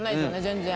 全然。